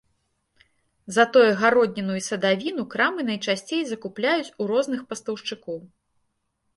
Затое гародніну і садавіну крамы найчасцей закупляюць у розных пастаўшчыкоў.